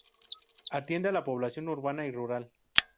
Atiende a la población urbana y rural.